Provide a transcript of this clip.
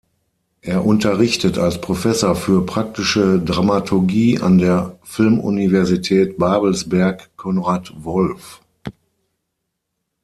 Er unterrichtet als Professor für Praktische Dramaturgie an der Filmuniversität Babelsberg Konrad Wolf.